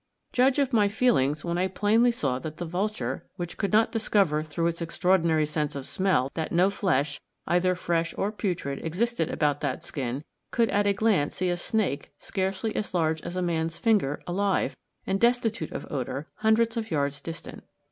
"Judge of my feelings when I plainly saw that the vulture, which could not discover through its extraordinary sense of smell that no flesh, either fresh or putrid, existed about that skin, could at a glance see a snake scarcely as large as a man's finger, alive, and destitute of odor, hundreds of yards distant.